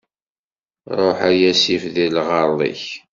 Ṛuḥ a yasif di lɣerḍ-ik.